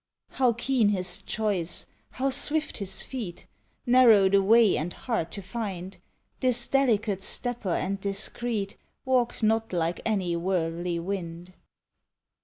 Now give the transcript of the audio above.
How keen his choice, how swift his feet! Narrow the way and hard to find! This delicate stepper and discreet Walked not like any worldly wind.